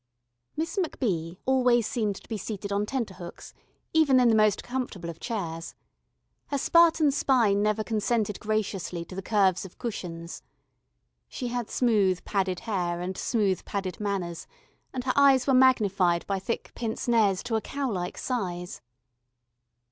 Miss MacBee always seemed to be seated on tenterhooks, even in the most comfortable of chairs. Her Spartan spine never consented graciously to the curves of cushions. She had smooth padded hair and smooth padded manners, and her eyes were magnified by thick pince nez to a cow like size.